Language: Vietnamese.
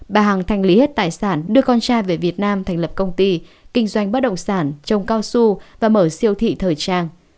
bà hằng thành lý hết tài sản đưa con trai về việt nam thành lập công ty kinh doanh bất động sản trong cao su và mở siêu thị thời trang